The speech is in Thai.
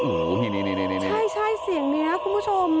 โอ้โหนี่ใช่เสียงนี้คุณผู้ชม